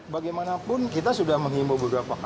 bagaimanapun kita sudah mengimbau beberapa kali kan